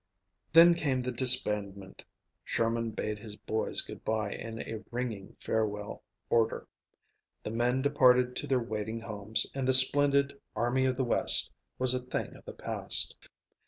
Then came the disbandment; Sherman bade his "boys" good by in a ringing farewell order; the men departed to their waiting homes, and the splendid "Army of the West" was a thing of the past.